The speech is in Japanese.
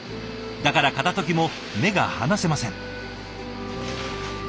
だから片ときも目が離せません。